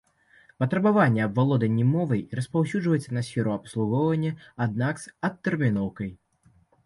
Патрабаванне аб валоданні мовай распаўсюджваецца і на сферу абслугоўвання, аднак з адтэрміноўкай.